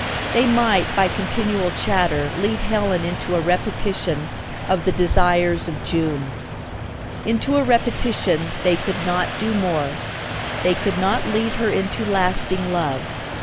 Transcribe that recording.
They might, by continual chatter, lead Helen into a repetition of the desires of June. Into a repetition they could not do more; they could not lead her into lasting love.